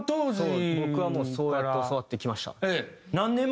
僕はもうそうやって教わってきました。